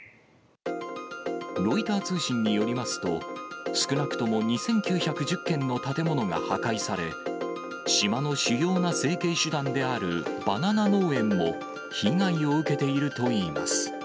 ロイター通信によりますと、少なくとも２９１０軒の建物が破壊され、島の主要な生計手段であるバナナ農園も被害を受けているといいます。